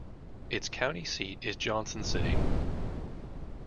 Its county seat is Johnson City.